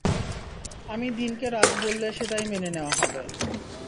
আমি দিনকে রাত বললে, সেটাই মেনে নেয়া হবে।